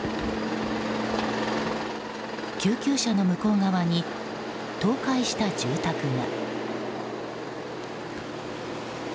救急車の向こう側に倒壊した住宅が。